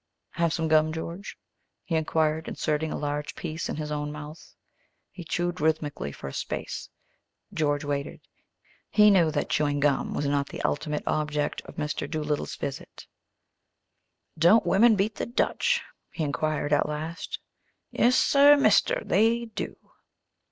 "Have some gum, George?" he inquired, inserting a large piece in his own mouth. He chewed rhythmically for a space. George waited. He knew that chewing gum was not the ultimate object of Mr. Doolittle's visit. "Don't women beat the Dutch?" he inquired at last. "Yes sir, mister; they do!"